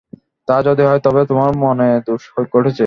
তা যদি হয় তবে তোমার মনে দোষ ঘটেছে।